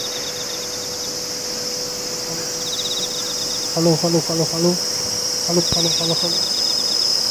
Its service area includes White Swan and Harrah.